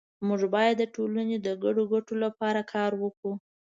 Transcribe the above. مونږ باید د ټولنې د ګډو ګټو لپاره کار وکړو